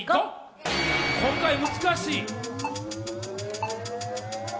今回難しい。